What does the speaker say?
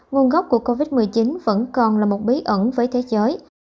nguồn gốc của covid một mươi chín vẫn còn là một bí ẩn với thế giới